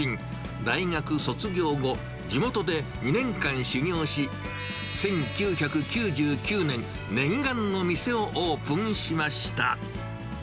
大学卒業後、地元で２年間修業し、１９９９年、念願の店をオープンしました。